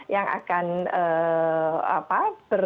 yang akan berkompetisi dengan mas reinhardt